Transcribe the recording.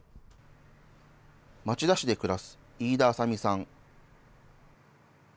町田市で暮らす飯田麻美さん。